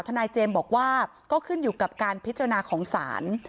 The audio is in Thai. นายเจมส์บอกว่าก็ขึ้นอยู่กับการพิจารณาของศาล